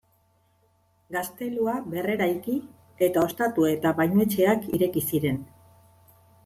Gaztelua berreraiki, eta ostatu eta bainuetxeak ireki ziren.